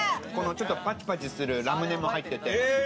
ちょっとパチパチするラムネも入ってて。